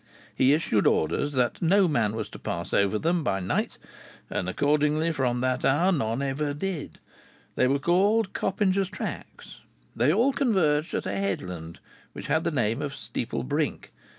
He issued orders that no man was to pass over them by night, and accordingly from that hour none ever did. They were called "Coppinger's Tracks." They all converged at a headland which had the name of Steeple Brink.